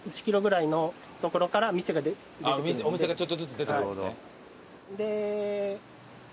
お店がちょっとずつ出てくるんですね。